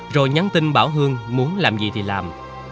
rồi nhắn tin bảo hương muốn làm gì thì làm